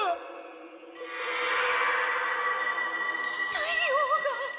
太陽が。